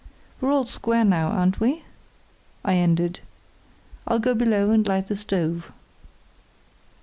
"We're all square now, aren't we?" I ended. "I'll go below and light the stove."